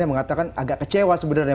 yang mengatakan agak kecewa sebenarnya